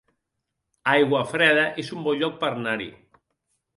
Aiguafreda es un bon lloc per anar-hi